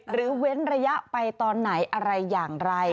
เว้นระยะไปตอนไหนอะไรอย่างไร